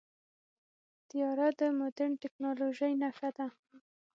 طیاره د مدرن ټیکنالوژۍ نښه ده.